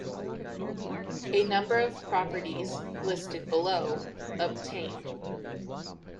A number of properties, listed below, obtain.